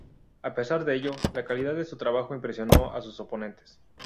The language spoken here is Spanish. A pesar de ello, la calidad de su trabajo impresionó a sus oponentes.